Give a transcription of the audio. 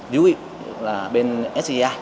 điều ý là bên sci